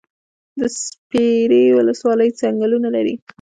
د سپیرې ولسوالۍ ځنګلونه لري